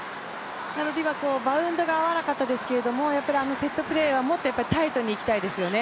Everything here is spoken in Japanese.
今、バウンドが合わなかったですけれども、セットプレーはもっとタイトにいきたいですよね。